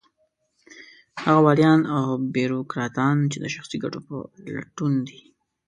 هغه واليان او بېروکراټان چې د شخصي ګټو په لټون دي.